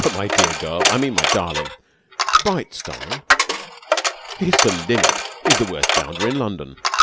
'But, my dear girl I mean my darling Breitstein! He's the limit! He's the worst bounder in London.'